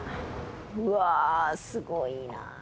うわすごいな。